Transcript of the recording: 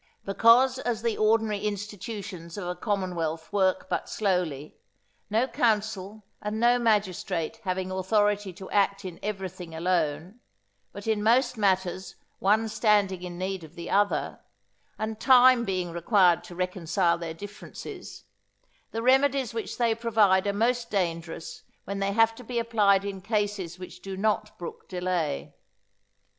Because as the ordinary institutions of a commonwealth work but slowly, no council and no magistrate having authority to act in everything alone, but in most matters one standing in need of the other, and time being required to reconcile their differences, the remedies which they provide are most dangerous when they have to be applied in cases which do not brook delay.